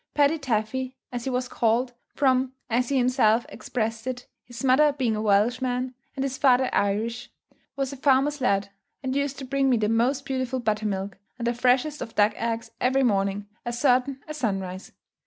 Paddy Taffy, as he was called, from, as he himself expressed it, his "mother being a Welshman, and his father Irish," was a farmer's lad, and used to bring me the most beautiful butter milk, and the freshest of duck eggs every morning, as certain as sunrise.